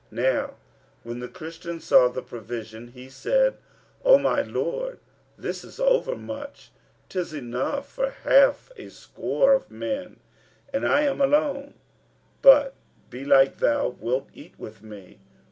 Now when the Christian saw the provision, he said, "O my lord, this is overmuch; 'tis enough for half a score of men and I am alone; but belike thou wilt eat with me."